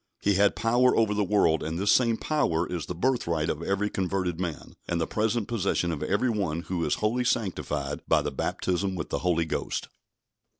He had power over the world, and this same power is the birthright of every converted man, and the present possession of every one who is wholly sanctified by the baptism with the Holy Ghost.